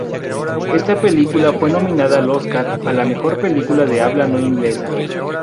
Esta película fue nominada al Oscar a la mejor película de habla no inglesa.